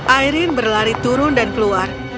airin berlari turun dan keluar